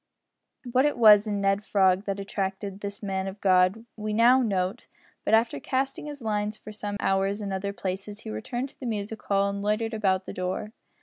What it was in Ned Frog that attracted this man of God we know note but, after casting his lines for some hours in other places, he returned to the music hall and loitered about the door.